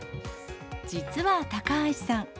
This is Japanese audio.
実は高橋さん。